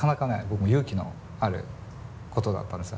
僕も勇気のあることだったんですよ。